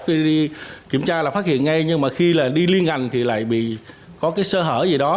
khi đi kiểm tra là phát hiện ngay nhưng mà khi là đi liên ngành thì lại bị có cái sơ hở gì đó